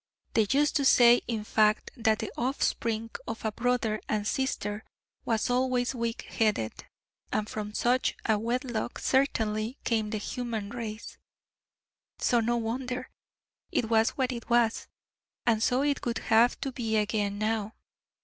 They used to say, in fact, that the offspring of a brother and sister was always weak headed: and from such a wedlock certainly came the human race, so no wonder it was what it was: and so it would have to be again now.